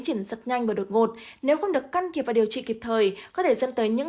chỉnh rất nhanh và đột ngột nếu không được căn kịp và điều trị kịp thời có thể dẫn tới những